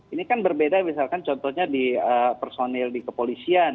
ini kan berbeda misalkan contohnya di personil di kepolisian